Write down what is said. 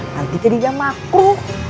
nanti jadinya makruh